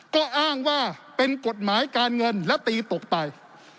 ก็อ้างว่าเป็นกฎหมายการเงินและตีตกไป